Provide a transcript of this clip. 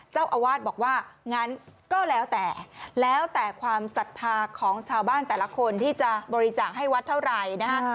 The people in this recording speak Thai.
เจ้าอาวาสบอกว่างั้นก็แล้วแต่แล้วแต่ความศรัทธาของชาวบ้านแต่ละคนที่จะบริจาคให้วัดเท่าไหร่นะฮะ